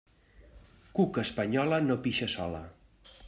Cuca espanyola no pixa sola.